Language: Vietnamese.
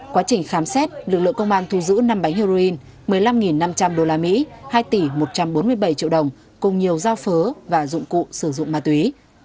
quá trình khám xét lực lượng công an thu giữ năm bánh heroin một mươi năm năm trăm linh usd hai tỷ một trăm bốn mươi bảy triệu đồng cùng nhiều giao phớ và dụng cụ sử dụng ma túy